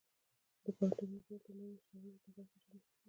د پوهنتونونو رول د نویو څیړنو په ډګر کې ډیر مهم دی.